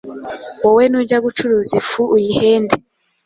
wowe nujya gucuruza ifu uyihende